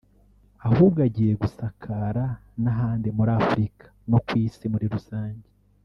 ahubwo agiye gusakara n’ahandi muri Afurika no ku Isi muri rusange